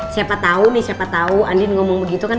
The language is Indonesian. siapa tau nih siapa tau andin ngomong begitu kan